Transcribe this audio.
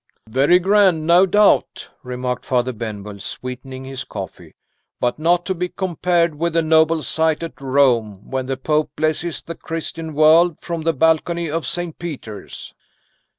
"Very grand, no doubt," remarked Father Benwell, sweetening his coffee. "But not to be compared with the noble sight at Rome, when the Pope blesses the Christian world from the balcony of St. Peter's."